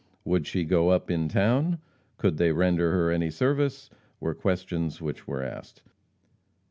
"Would she go up in town? Could they render her any service?" were questions which were asked.